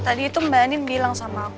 tadi itu mbak anin bilang sama aku